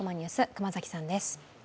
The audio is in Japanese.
熊崎さんです。